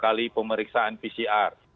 dua kali pemeriksaan pcr